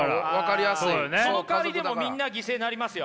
そのかわりみんな犠牲になりますよ？